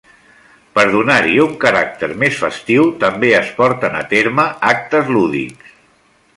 Per donar-hi un caràcter més festiu també es porten a terme actes lúdics.